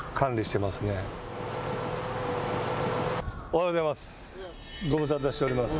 おはようございます。